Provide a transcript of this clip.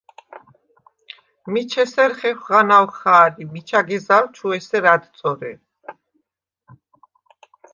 “მიჩ ესერ ხეხუ̂ ღანაუ̂ ხა̄რ ი მიჩა გეზალ ჩუ ესერ ა̈დწორე”.